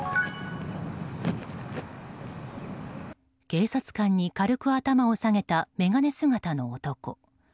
警察官に軽く頭を下げた眼鏡姿の男。